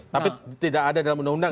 tapi tidak ada dalam undang undang